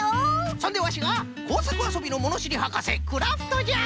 そんでワシがこうさくあそびのものしりはかせクラフトじゃ！